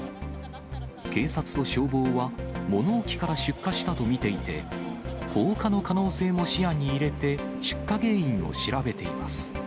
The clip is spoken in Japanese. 警察と消防は、物置から出火したと見ていて、放火の可能性も視野に入れて、出火原因を調べています。